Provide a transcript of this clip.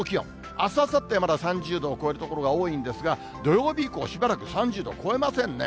あす、あさってはまだ３０度を超える所が多いんですが、土曜日以降、しばらく３０度超えませんね。